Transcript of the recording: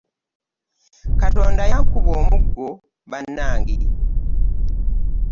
Katonda yankuba omuggo bannange.